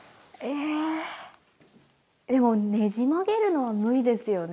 もうねじ曲げるのは無理ですよね。